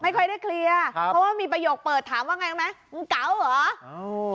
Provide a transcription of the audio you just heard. ค่อยได้เคลียร์ครับเพราะว่ามีประโยคเปิดถามว่าไงรู้ไหมมึงเก๋าเหรอ